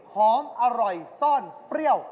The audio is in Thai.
หอมอร่อยซ่อนเปรี้ยว